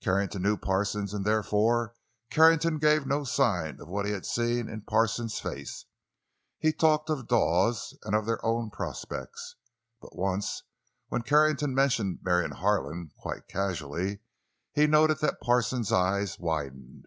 Carrington knew Parsons, and therefore Carrington gave no sign of what he had seen in Parsons' face. He talked of Dawes and of their own prospects. But once, when Carrington mentioned Marion Harlan, quite casually, he noted that Parsons' eyes widened.